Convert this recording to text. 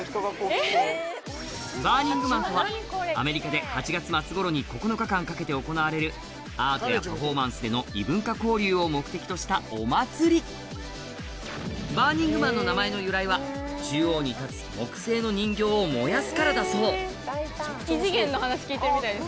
バーニングマンとはアメリカで８月末頃に９日間かけて行われるアートやパフォーマンスでの異文化交流を目的としたお祭りバーニングマンの名前の由来は中央に立つからだそう聞いてるみたいです